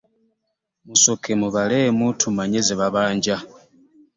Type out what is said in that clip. Musooke mubalemu tumanye ze babanja.